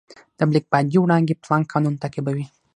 د بلیک باډي وړانګې پلانک قانون تعقیبوي.